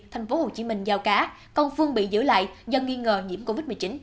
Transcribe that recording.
thành phố hồ chí minh giao cá còn phương bị giữ lại do nghi ngờ nhiễm covid một mươi chín